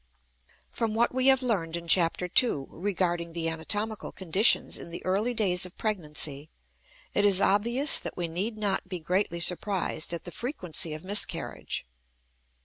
From what we have learned in Chapter II regarding the anatomical conditions in the early days of pregnancy it is obvious that we need not be greatly surprised at the frequency of miscarriage.